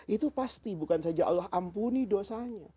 itu pasti bukan saja allah ampuni dosanya